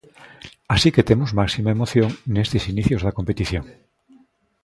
Así que temos máxima emoción nestes inicios da competición.